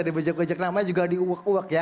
di bejek bejek namanya juga di uak uak ya